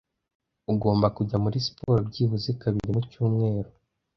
Ugomba kujya muri siporo byibuze kabiri mu cyumweru